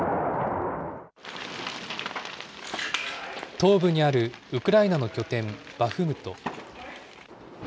東部にあるウクライナの拠点、バフムト。